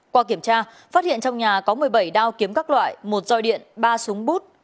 qua kiểm tra phát hiện trong nhà có một mươi bảy đao kiếm các loại một roi điện ba súng bút